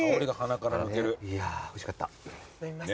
いやおいしかった。